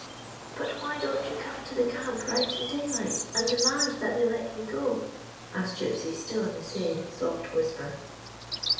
" But why don't you come to the camp right in daylight, and demand that they let me go?" asked Gypsy, still in the same soft whisper.